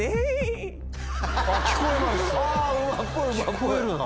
聞こえるな。